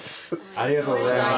ありがとうございます。